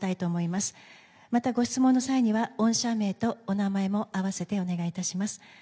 また、ご質問の際には御社名とお名前も併せてお願い致します。